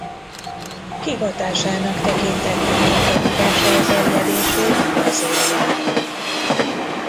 Hivatásának tekintette a labdarúgás elterjedését Brazíliában.